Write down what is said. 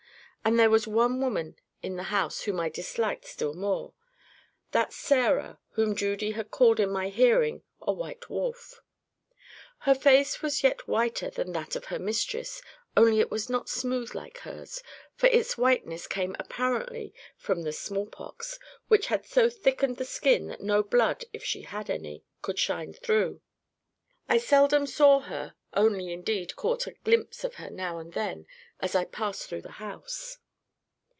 And there was one woman in the house whom I disliked still more: that Sarah whom Judy had called in my hearing a white wolf. Her face was yet whiter than that of her mistress, only it was not smooth like hers; for its whiteness came apparently from the small pox, which had so thickened the skin that no blood, if she had any, could shine through. I seldom saw her—only, indeed, caught a glimpse of her now and then as I passed through the house.